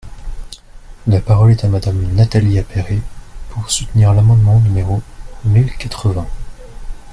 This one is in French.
La parole est à Madame Nathalie Appéré, pour soutenir l’amendement numéro mille quatre-vingts.